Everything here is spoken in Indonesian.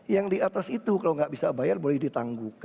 yang di atas itu kalau nggak bisa bayar boleh ditangguhkan